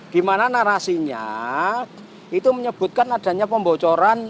di mana narasinya itu menyebutkan adanya pembocoran